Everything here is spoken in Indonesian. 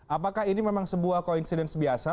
apakah ini memang sebuah koinsidence biasa